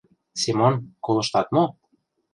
— Семон, колыштат мо?